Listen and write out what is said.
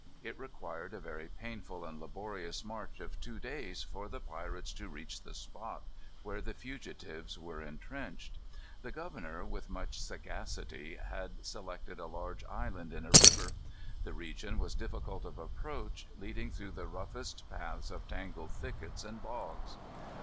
It required a very painful and laborious march of two days for the pirates to reach the spot where the fugitives were intrenched. The governor, with much sagacity, had selected a large island in a river. The region was difficult of approach, leading through the roughest paths of tangled thickets and bogs.